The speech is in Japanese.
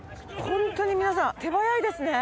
ホントに皆さん手早いですね。